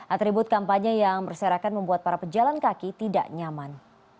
atribut kampanye yang berserakan membuat para pejalan kaki tidak nyaman